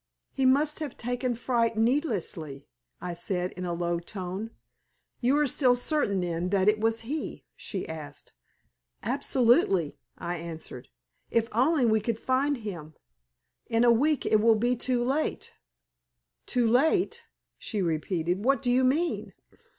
"He must have taken fright needlessly," I said, in a low tone. "You are still certain, then, that it was he?" she asked. "Absolutely!" I answered. "If only we could find him! In a week it will be too late." "Too late!" she repeated. "What do you mean?"